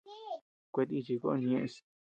Kuetíchi kon ñeʼes.